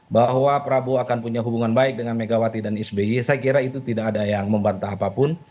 bahwa prabowo akan punya hubungan baik dengan megawati dan sby saya kira itu tidak ada yang membantah apapun